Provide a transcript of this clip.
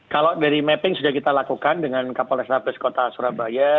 kalau dari mapping sudah kita lakukan dengan kapolres tabes kota surabaya